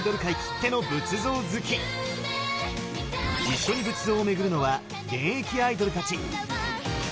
一緒に仏像を巡るのは現役アイドルたち！